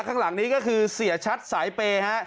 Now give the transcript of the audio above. ข้างหลังนี้ก็คือเสียชัดสายเปย์ฮะ